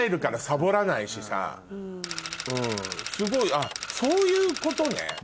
あっそういうことね。